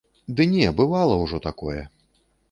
Ды не, бывала ўжо такое.